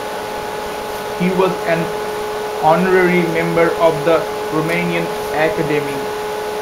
He was an honorary member of the Romanian Academy.